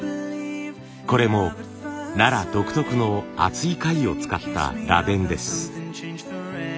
これも奈良独特の厚い貝を使った螺鈿です。